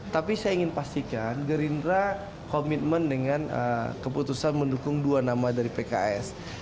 tapi saya ingin pastikan gerindra komitmen dengan keputusan mendukung dua nama dari pks